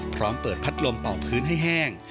พร้อมเปิดพัดลมเป่าพื้นให้แห้ง